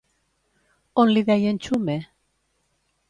On li deien Txume?